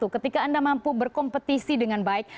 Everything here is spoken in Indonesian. ketika anda mampu berkompetisi dengan baik